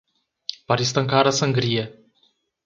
Para estancar a sangria